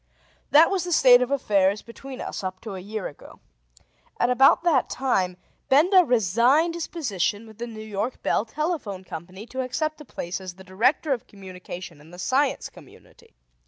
That was the state of affairs between us up to a year ago. At about that time Benda resigned his position with the New York Bell Telephone Company to accept a place as the Director of Communication in the Science Community.